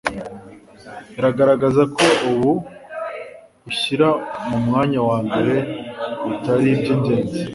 bigaragaza ko uba ushyira mu mwanya wa mbere ibitari iby ingenzi